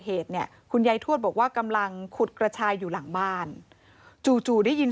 เหตุเนี่ยคุณยายทวดบอกว่ากำลังขุดกระชายอยู่หลังบ้านจู่จู่ได้ยิน